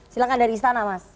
silahkan dari istana mas